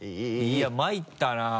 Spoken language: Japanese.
いやまいったな。